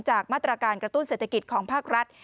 จากมาตรการกระตุ้นเศรษฐกิจของภาครัฐ